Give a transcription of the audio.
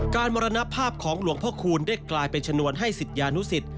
มรณภาพของหลวงพ่อคูณได้กลายเป็นชนวนให้ศิษยานุสิต